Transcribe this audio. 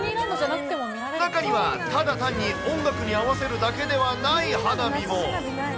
中には、ただ単に音楽に合わせるだけではない花火も。